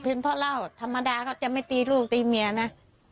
เป็นเพราะเหล้าธรรมดาเขาจะไม่ตีลูกตีเมียนะ